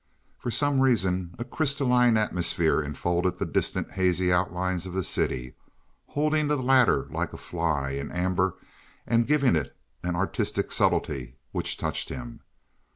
For some reason a crystalline atmosphere enfolded the distant hazy outlines of the city, holding the latter like a fly in amber and giving it an artistic subtlety which touched him.